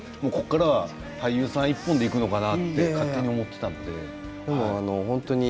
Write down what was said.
ここからは俳優一本でいくのかなと勝手に思っていたので。